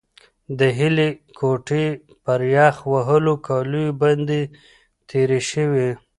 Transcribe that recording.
د هیلې ګوتې پر یخ وهلو کالیو باندې تېرې شوې.